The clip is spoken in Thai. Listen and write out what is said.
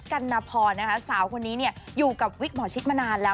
ัณพรนะคะสาวคนนี้อยู่กับวิกหมอชิดมานานแล้ว